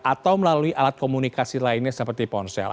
atau melalui alat komunikasi lainnya seperti ponsel